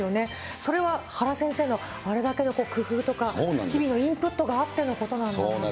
それは原先生のあれだけの工夫とか、日々のインプットがあってのことなんだなと。